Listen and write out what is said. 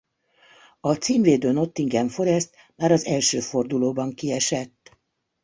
A címvédő Nottingham Forest már az első fordulóban kiesett.